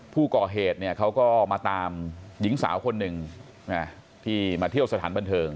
ผู้ก่อเหตุเนี่ยเขาก็มาตามหญิงสาวคนหนึ่งที่มาเที่ยวสถานบันเทิง